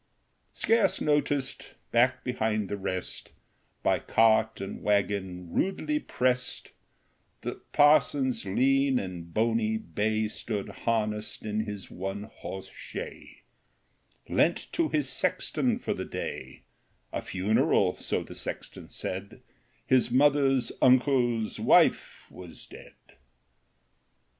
Scarce noticed, back behind the rest, By cart and wagon rudely prest, The parson's lean and bony bay Stood harnessed in his one horse shay — Lent to his sexton for the day ; (A funeral — so the sexton said ; His mother's uncle's wife was dead.)